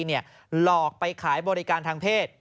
หลอกไปขายบริการทางเพศ